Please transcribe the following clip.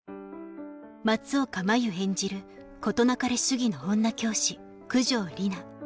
松岡茉優演じる事なかれ主義の女教師九条里奈